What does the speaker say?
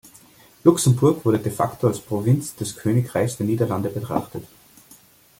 Luxemburg wurde de facto als Provinz des Königreichs der Niederlande betrachtet.